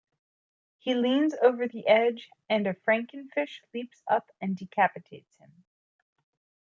He leans over the edge and a frankenfish leaps up and decapitates him.